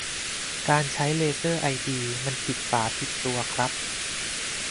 การใช้เลเซอร์ไอดีมันผิดฝาผิดตัวครับ